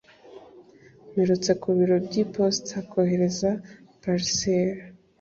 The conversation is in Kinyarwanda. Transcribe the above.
mperutse ku biro by'iposita kohereza parcelle